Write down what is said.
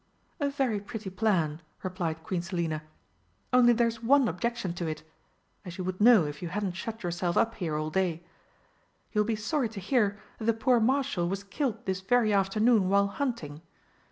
"A very pretty plan!" replied Queen Selina, "only there's one objection to it, as you would know if you hadn't shut yourselves up here all day. You will be sorry to hear that the poor Marshal was killed this very afternoon while hunting.